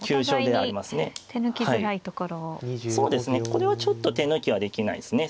これはちょっと手抜きはできないですね